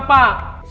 saya gak terima pak